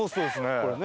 これね。